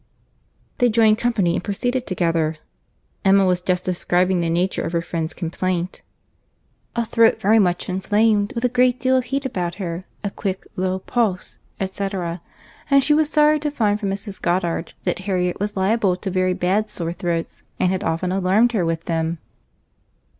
They joined company and proceeded together. Emma was just describing the nature of her friend's complaint;—"a throat very much inflamed, with a great deal of heat about her, a quick, low pulse, &c. and she was sorry to find from Mrs. Goddard that Harriet was liable to very bad sore throats, and had often alarmed her with them."